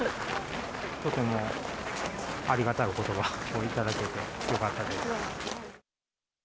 とてもありがたいおことばをいただけてよかったです。